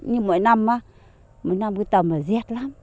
nhưng mỗi năm mỗi năm cứ tầm là rét lắm